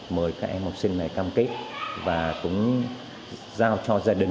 mời các em học sinh này cam kết và cũng giao cho gia đình